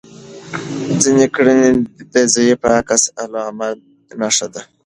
ځینې کړنې د ضعیف عکس العمل نښه ده.